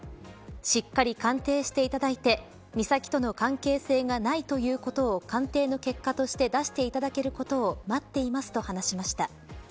しっかり鑑定していただいて美咲との関係性がないということを鑑定の結果として出していただけることを待っていますと話しました。